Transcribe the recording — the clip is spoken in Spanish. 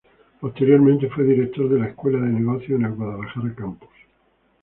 Posteriormente fue director de la escuela de negocios en el Guadalajara campus.